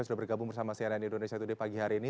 sudah bergabung bersama cnn indonesia today pagi hari ini